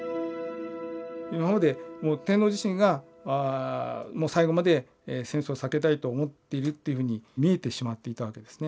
今までもう天皇自身が最後まで戦争を避けたいと思っているっていうふうに見えてしまっていたわけですね。